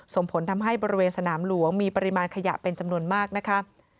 ส่งผลทำให้บริเวณสนามหลวงมีปริมาณขยะเป็นจำนวนมากนะคะ